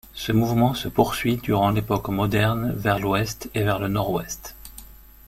Ce mouvement se poursuit durant l'époque moderne vers l'ouest et vers le nord-ouest.